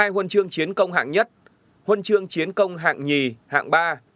hai huân chương chiến công hạng nhất huân chương chiến công hạng nhì hạng ba